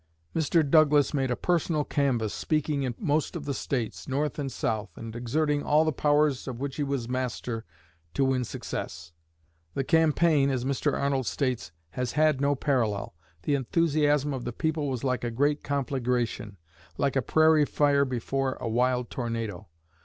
Mr. Douglas made a personal canvass, speaking in most of the states, North and South, and exerting all the powers of which he was master to win success. The campaign, as Mr. Arnold states, "has had no parallel. The enthusiasm of the people was like a great conflagration, like a prairie fire before a wild tornado.